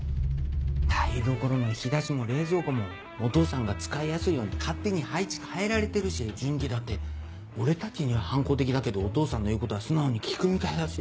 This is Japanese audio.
台所の引き出しも冷蔵庫もお義父さんが使いやすいように勝手に配置変えられてるし順基だって俺たちには反抗的だけどお義父さんの言うことは素直に聞くみたいだし。